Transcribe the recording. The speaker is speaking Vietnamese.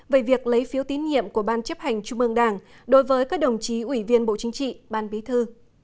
về việc lấy phiếu tín nhiệm của ban chấp hành trung ương đảng đối với các đồng chí ủy viên bộ chính trị ban bí thư